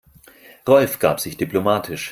Rolf gab sich diplomatisch.